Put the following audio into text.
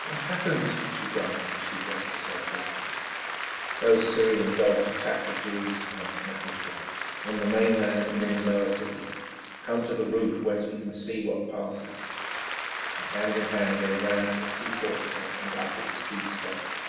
"What happens?" she gasped as she dressed herself hastily. "Those Syrian dogs attack the Jews," answered Nehushta, "on the mainland and in the lower city. Come to the roof, whence we can see what passes," and hand in hand they ran to the sea portico and up its steep steps.